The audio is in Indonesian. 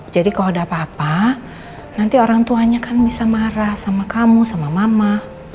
jadi kalo ada papa nanti orang tuanya kan bisa marah sama kamu sama mama